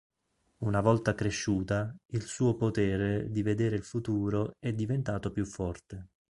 Una volta cresciuta, il suo potere di vedere il futuro è diventato più forte.